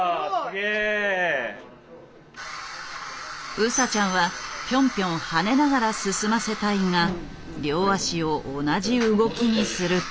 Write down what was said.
ウサちゃんはピョンピョン跳ねながら進ませたいが両脚を同じ動きにすると。